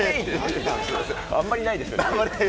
あんまりないですよね、イエーイ。